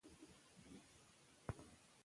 موخو ته رسیدل هڅه غواړي.